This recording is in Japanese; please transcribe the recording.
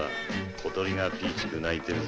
小鳥がピーチク鳴いてるぜ。